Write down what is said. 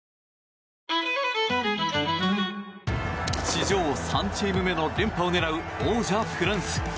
史上３チーム目の連覇を狙う王者フランス。